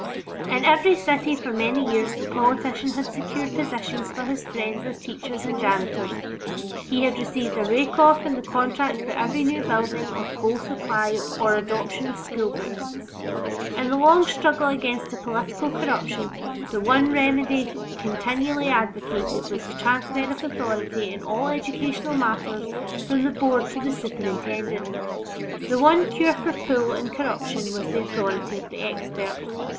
In every city for many years the politician had secured positions for his friends as teachers and janitors; he had received a rake off in the contract for every new building or coal supply or adoption of school books. In the long struggle against this political corruption, the one remedy continually advocated was the transfer of authority in all educational matters from the Board to the superintendent. The one cure for "pull" and corruption was the authority of the "expert."